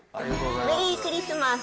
メリークリスマス。